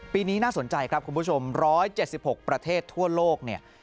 ปีนี้น่าสนใจครับคุณผู้ชม๑๗๖ประเทศทั่วโลกเนี่ย